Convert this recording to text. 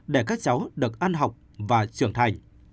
để các cháu được ăn học và trưởng thành